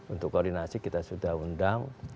untuk koordinasi kita sudah undang